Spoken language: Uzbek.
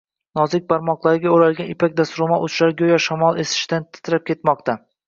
Nozik barmoqlarga o`ralgan ipak dastro`mol uchlari go`yo shamol esishidan titrab ketmoqda